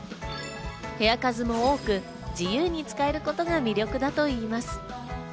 部屋数も多く、自由に使えることが魅力だといいます。